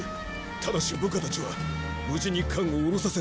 ただし部下たちは無事に艦を降ろさせてほしい。